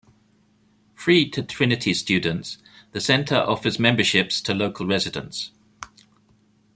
Free to Trinity students, the Center offers memberships to local residents.